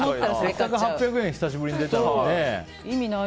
せっかく８００円が久しぶりに出たのに。